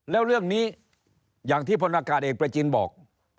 แล้วเรื่องนี้อย่างที่พลอากาศเอกประจินบอก